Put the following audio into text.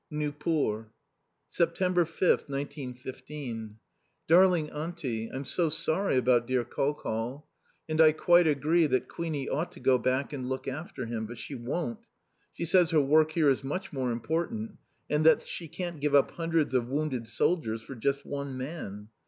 Nieuport. September 5th, 1915. Darling Auntie, I'm so sorry about dear Col Col. And I quite agree that Queenie ought to go back and look after him. But she won't. She says her work here is much more important and that she can't give up hundreds of wounded soldiers for just one man.